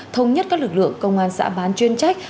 thống nhất các lực lượng công an xã bán chuyên trách